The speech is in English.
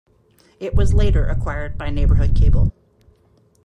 It was later acquired by Neighbourhood Cable.